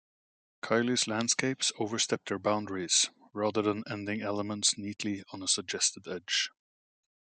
Kiley's landscapes overstepped their boundaries rather than ending elements neatly on a suggested edge.